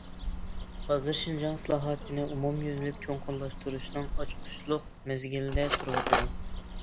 ھازىر شىنجاڭ ئىسلاھاتنى ئومۇميۈزلۈك چوڭقۇرلاشتۇرۇشنىڭ ئاچقۇچلۇق مەزگىلىدە تۇرۇۋاتىدۇ.